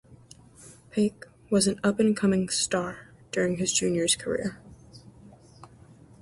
Peake was an up-and-coming star during his juniors career.